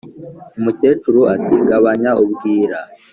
Umukecuru ati"gabanya ubwira